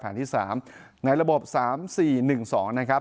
ที่๓ในระบบ๓๔๑๒นะครับ